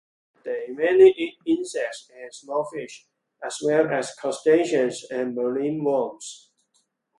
They mainly eat insects and small fish, as well as crustaceans and marine worms.